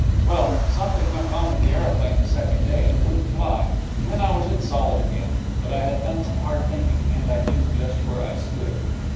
Well, something went wrong with the aeroplane the second day, and it wouldn't fly, and then I was in solid again; but I had done some hard thinking and I knew just where I stood.